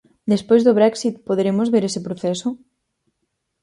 Despois do Brexit poderemos ver ese proceso?